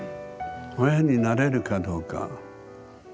親になれるかどうか。